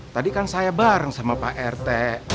tadi kan saya bareng sama pak rt